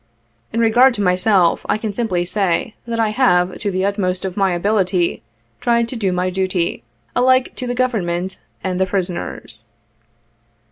" In regard to myself, I can simply say, that I have, to the utmost of my ability, tried to do my duty, alike to the Government and the prisoners.